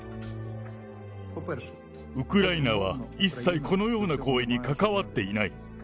ウクライナは一切、このような行為に関わっていない。